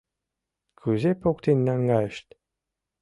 Кузе поктен наҥгайышт?